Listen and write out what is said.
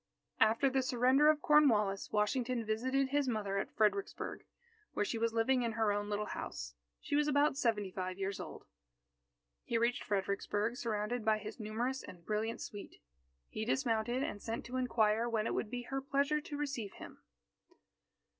After the surrender of Cornwallis, Washington visited his mother at Fredericksburg, where she was living in her own little house. She was about seventy five years old. He reached Fredericksburg surrounded by his numerous and brilliant suite. He dismounted, and sent to inquire when it would be her pleasure to receive him.